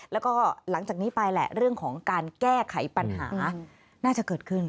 แล้วก็หลังจากนี้ไปแหละเรื่องของการแก้ไขปัญหาน่าจะเกิดขึ้น